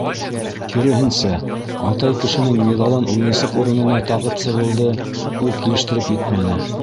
Киреһенсә, атай кешенең миҙалын уйынсыҡ урынына тағып сығыуҙы ул килештереп етмәне.